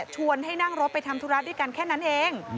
ให้นั่งรถไปทำธุระด้วยกันแค่นั้นเอง